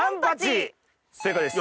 正解です。